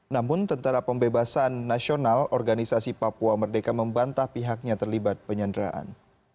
namun tentara pembebasan nasional organisasi papua merdeka membantah pihaknya terlibat penyanderaan